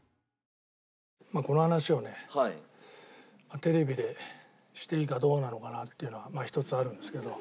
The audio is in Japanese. テレビでしていいかどうなのかなっていうのはひとつあるんですけど。